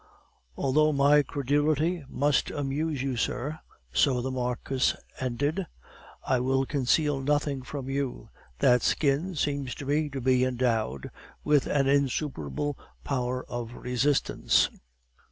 "Although my credulity must amuse you, sir," so the Marquis ended, "I will conceal nothing from you. That skin seems to me to be endowed with an insuperable power of resistance."